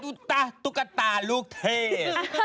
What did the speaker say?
อูต้าตุ๊กตาลูกเทป